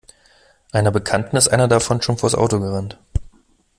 Einer Bekannten ist einer davon schon vors Auto gerannt.